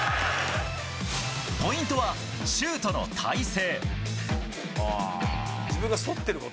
ポイントはシュートの体勢。